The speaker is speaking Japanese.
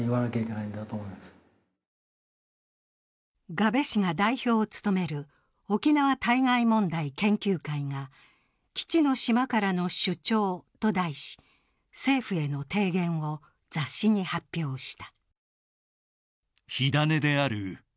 我部氏が代表を務める沖縄対外問題研究会が「基地の島からの主張」と題し政府への提言を雑誌に発表した。